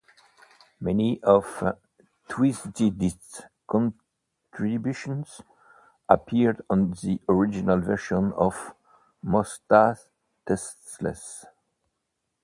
Many of Twiztid's contributions appeared on the original version of "Mostasteless".